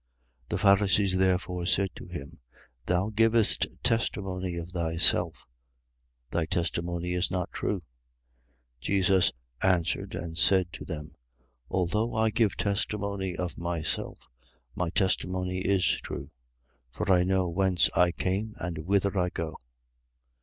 8:13. The Pharisees therefore said to him: Thou givest testimony of thyself. Thy testimony is not true. 8:14. Jesus answered and said to them: Although I give testimony of myself, my testimony is true: for I know whence I came and whither I go.